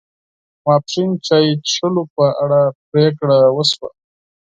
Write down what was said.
ماپښین چای خوړلو په اړه پرېکړه و شوه.